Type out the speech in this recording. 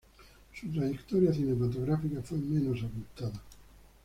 Su trayectoria cinematográfica fue menos abultada.